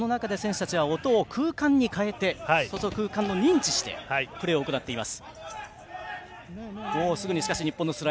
その中で選手たちは音を空間に変えて空間を認知してプレーしています。